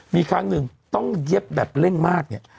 มีครั้งหนึ่งต้องเย็บแบบเร่งมากเนี่ย